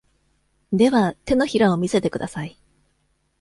では、手のひらを見せてください。